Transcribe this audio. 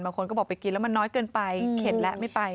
บางคนก็บอกไปกินแล้วมันน้อยเกินไปเข็ดแล้วไม่ไป